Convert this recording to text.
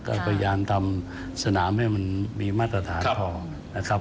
ก็พยายามทำสนามให้มันมีมาตรฐานทองนะครับ